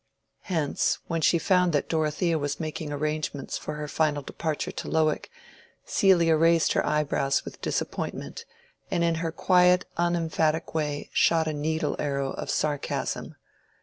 Hence, when she found that Dorothea was making arrangements for her final departure to Lowick, Celia raised her eyebrows with disappointment, and in her quiet unemphatic way shot a needle arrow of sarcasm.